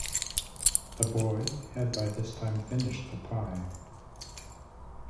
The boy had by this time finished the pie.